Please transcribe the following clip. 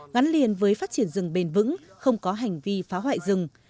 gắn liền với phát triển rừng bền vững không có hành vi phá hoại rừng